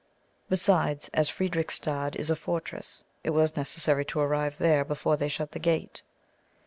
Besides, as Fredericstadt is a fortress, it was necessary to arrive there before they shut the gate.